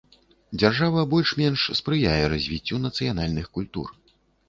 Дзяржава больш-менш спрыяе развіццю нацыянальных культур.